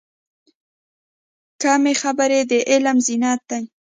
کمې خبرې، د علم زینت دی.